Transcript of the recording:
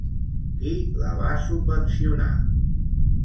Qui la va subvencionar?